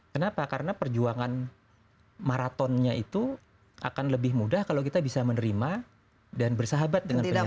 kenapa karena perjuangan maratonnya itu akan lebih mudah kalau kita bisa menerima dan bersahabat dengan penyakit